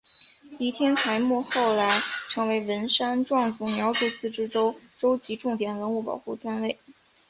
黎天才墓后来成为文山壮族苗族自治州州级重点文物保护单位。